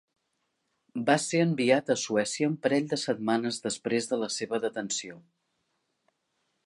Va ser enviat a Suècia un parell de setmanes després de la seva detenció.